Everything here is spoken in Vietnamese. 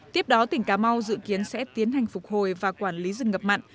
tiếp đó tỉnh cà mau dự kiến sẽ tiến hành phục hồi và quản lý rừng ngập mặn